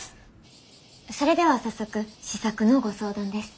それでは早速試作のご相談です。